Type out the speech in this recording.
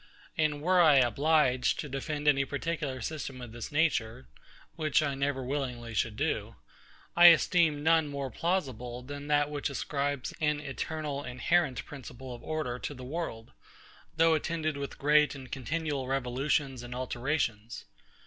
And were I obliged to defend any particular system of this nature, which I never willingly should do, I esteem none more plausible than that which ascribes an eternal inherent principle of order to the world, though attended with great and continual revolutions and alterations.